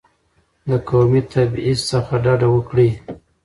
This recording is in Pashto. د قومي تبعیض څخه ډډه وکړئ.